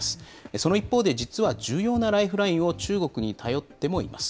その一方で、実は重要なライフラインを中国に頼ってもいます。